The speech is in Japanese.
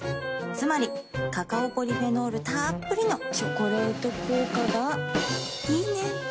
つまりカカオポリフェノールたっぷりの「チョコレート効果」がいいね。